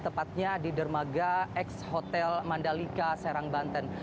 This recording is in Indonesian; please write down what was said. tepatnya di dermaga ex hotel mandalika serang banten